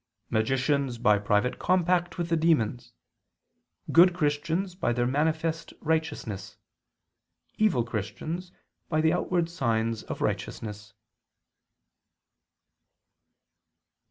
Magicians by private compact with the demons, good Christians by their manifest righteousness, evil Christians by the outward signs of righteousness."